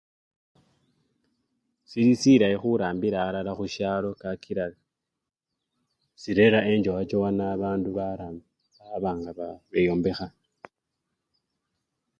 Sili silayi khurambila alala khushalo kakila sirera enchowachowana bandu bara baba nga beyombekha.